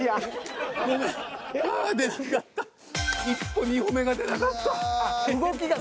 １歩２歩目が出なかった。